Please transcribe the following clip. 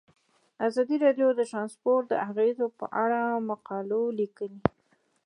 ازادي راډیو د ترانسپورټ د اغیزو په اړه مقالو لیکلي.